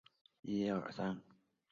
可以去寻找另一个地方